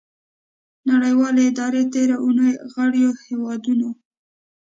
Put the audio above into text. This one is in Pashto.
نړیوالې ادارې تیره اونۍ غړیو هیوادو